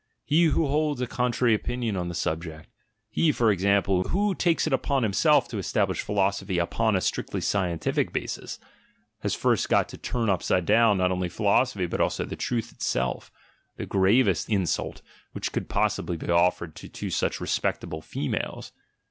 (He who holds a contrary opinion on the subject — he, for example, who takes it upon himself to establish philosophy "upon a strictly scientific basis" — has first got to "turn upside down" not only philosophy but also truth itself — the gravest insult which could possibly be offered to two such respectable females!)